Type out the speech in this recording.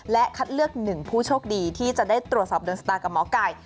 และคัดเลือก๑ผู้โชคดีที่จะได้ตรวจสอบโดนชะตากับหมอไก่